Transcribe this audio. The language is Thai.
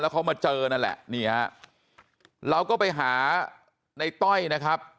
แล้วเขามาเจอนั่นแหละเราก็ไปหาในต้อยนะครับ